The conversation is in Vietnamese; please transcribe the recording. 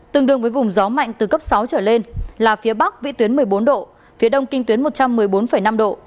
tương đương với vùng gió mạnh từ cấp sáu trở lên là phía bắc vĩ tuyến một mươi bốn độ phía đông kinh tuyến một trăm một mươi bốn năm độ